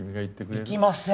行きません